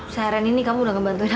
saya renin nih kamu udah ngebantuin aku